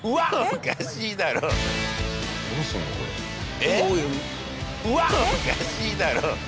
おかしいだろ。